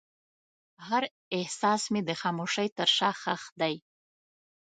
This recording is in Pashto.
هر احساس مې د خاموشۍ تر شا ښخ دی.